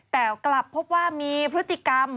แต่กลับพบว่ามีพฤติกรรม